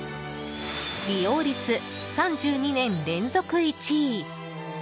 利用率３２年連続１位。